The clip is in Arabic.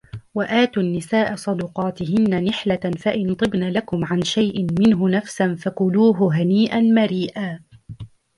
وَآتُوا النِّسَاءَ صَدُقَاتِهِنَّ نِحْلَةً فَإِنْ طِبْنَ لَكُمْ عَنْ شَيْءٍ مِنْهُ نَفْسًا فَكُلُوهُ هَنِيئًا مَرِيئًا